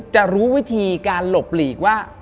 จะรู้วิธีการหลบหลีกว่า